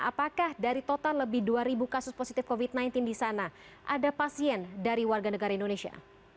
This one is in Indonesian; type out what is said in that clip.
apakah dari total lebih dua kasus positif covid sembilan belas di sana ada pasien dari warga negara indonesia